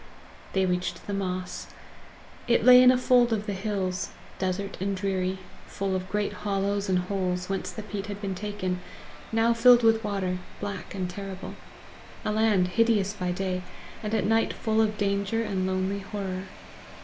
They reached the moss. It lay in a fold of the hills, desert and dreary, full of great hollows and holes whence the peat had been taken, now filled with water, black and terrible, a land hideous by day, and at night full of danger and lonely horror.